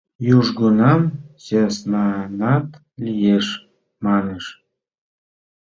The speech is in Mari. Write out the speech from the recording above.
Южгунам сӧснанат лиеш», — манеш.